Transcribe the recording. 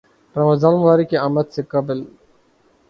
رمضان المبارک کی آمد سے قبل